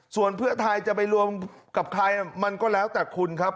ส่วนเพื่อไทยจะไปรวมกับใครมันก็แล้วแต่คุณครับ